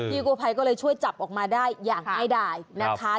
พี่กู้ภัยก็เลยช่วยจับออกมาได้อย่างให้ได้นะคะ